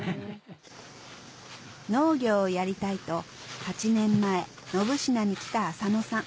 農業をやりたいと８年前信級に来た浅野さん